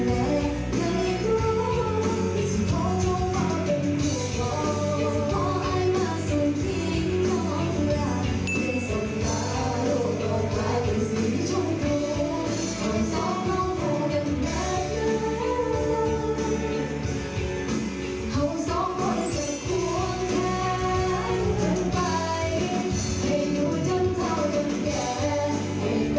โอ้ยมิวสิกวีดีโอแล้วมั้งตบตาก็แล้ว